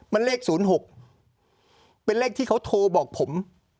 มันเลขศูนย์หกเป็นเลขที่เขาโทรบอกผม